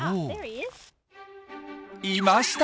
いました！